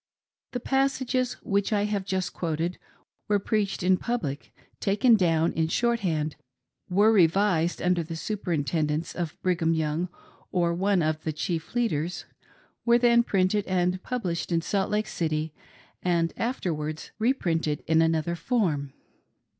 The passages, which I have just quoted, were preached in public, were taken down in short hand, were revised under the superintendence of Brigham Young or one of the chief leaders, were then printed, and published in Salt Lake City, and afterwards reprinted in another form.